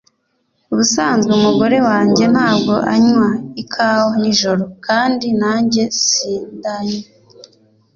Ubusanzwe umugore wanjye ntabwo anywa ikawa nijoro kandi nanjye sindanywa